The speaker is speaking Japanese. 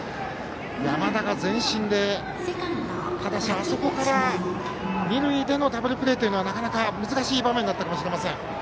山田が全身で、ただしあそこから二塁でのダブルプレーはなかなか難しい場面だったかもしれません。